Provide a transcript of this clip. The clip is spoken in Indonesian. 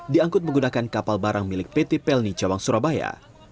diangkut menggunakan kapal barang milik pt pelni cawang surabaya